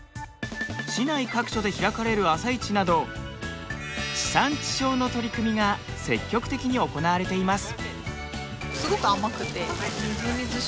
市内各所で開かれる朝市など地産地消の取り組みが積極的に行われています。